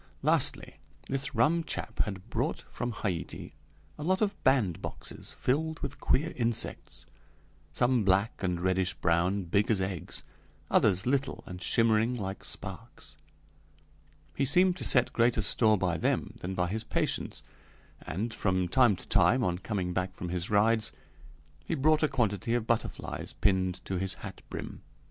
Lastly, this rum chap had brought from Haiti a lot of bandboxes filled with queer insects some black and reddish brown, big as eggs; others little and shimmering like sparks. He seemed to set greater store by them than by his patients, and, from time to time, on coming back from his rides, he brought a quantity of butterflies pinned to his hat brim.